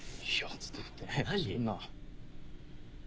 ちょっと待って何？